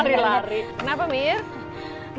lari lari kenapa mir